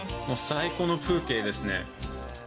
最高の風景ですね。